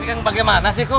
lagi yang bagaimana sih kum